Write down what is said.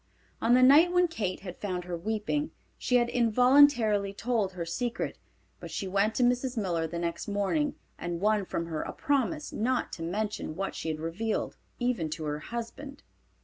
On the night when Kate had found her weeping she had involuntarily told her secret, but she went to Mrs. Miller the next morning and won from her a promise not to mention what she had revealed, even to her husband.